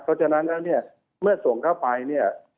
เพราะฉะนั้นแล้วเนี่ยเมื่อส่งเข้าไปเนี่ย